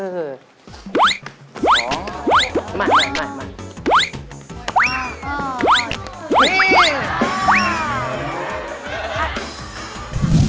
หน่อย